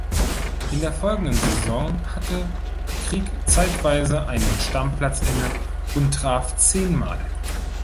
In der folgenden Saison hatte Krieg zeitweise einen Stammplatz inne und traf zehnmal.